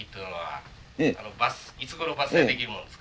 いつごろ伐採できるもんですか？